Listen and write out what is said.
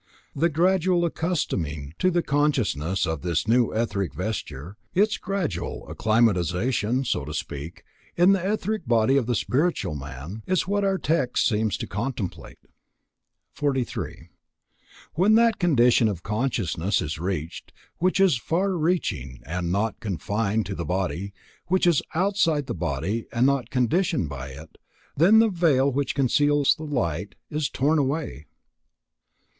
The gradual accustoming of the consciousness to its new etheric vesture, its gradual acclimatization, so to speak, in the etheric body of the spiritual man, is what our text seems to contemplate. 43. When that condition of consciousness is reached, which is far reaching and not confined to the body, which is outside the body and not conditioned by it, then the veil which conceals the light is worn away.